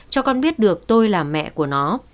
cho con biết được tôi là mẹ của nó